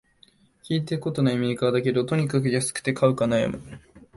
聞いたことないメーカーだけど、とにかく安くて買うか悩む